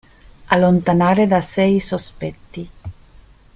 Allontanare da sé i sospetti.